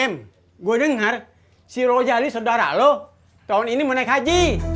em gue dengar si rojali saudara lo tahun ini mau naik haji